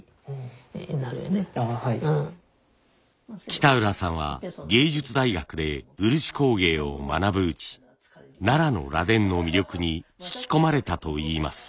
北浦さんは芸術大学で漆工芸を学ぶうち奈良の螺鈿の魅力に引き込まれたといいます。